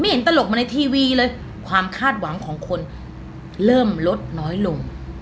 เห็นตลกมาในทีวีเลยความคาดหวังของคนเริ่มลดน้อยลง